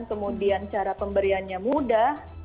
kemudian cara pemberiannya mudah